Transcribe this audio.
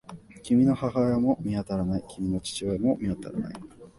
君の母親も見当たらない。君の父親も見当たらない。